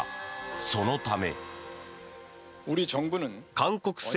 そのため。